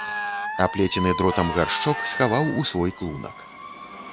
Аплецены дротам гаршчок схаваў у свой клунак.